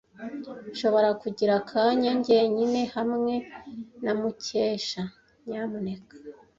Nshobora kugira akanya njyenyine hamwe na Mukesha, nyamuneka?